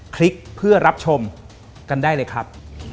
คลิกเพื่อรับชมกันได้เลยครับ